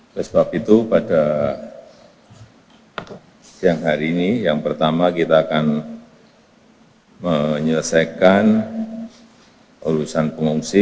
oleh sebab itu pada siang hari ini yang pertama kita akan menyelesaikan urusan pengungsi